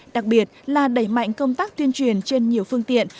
đặc biệt là đẩy mạnh công tác tuyên truyền trên nhiều phương tiện